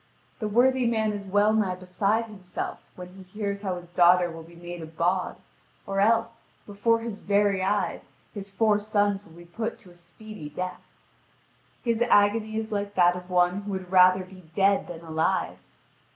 The worthy man is well nigh beside himself when he hears how his daughter will be made a bawd, or else, before his very eyes, his four sons will be put to a speedy death. His agony is like that of one who would rather be dead than alive.